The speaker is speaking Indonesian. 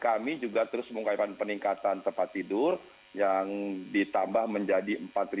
kami juga terus mengkaitkan peningkatan tempat tidur yang ditambah menjadi empat delapan ratus tujuh